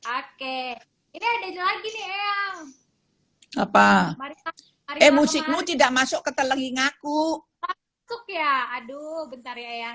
oke ini ada lagi nih apa emosi mu tidak masuk ke telur ingaku ya aduh bentar ya